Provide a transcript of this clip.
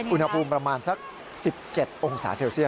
อุณหภูมิประมาณสัก๑๗องศาเซลเซียส